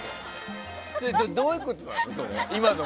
どういうことなの？